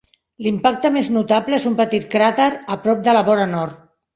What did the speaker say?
L'impacte més notable és un petit cràter a prop de la vora nord.